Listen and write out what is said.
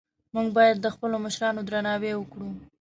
موږ باید د خپلو مشرانو درناوی وکړو